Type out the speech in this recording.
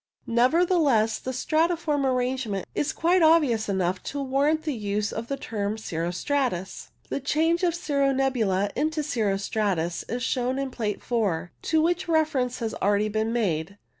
Nevertheless, the stratiform arrangement is quite obvious enough to warrant the use of the term " cirro stratus." The change of cirro nebula into cirro stratus is shown in Plate 4, to which reference has already been made.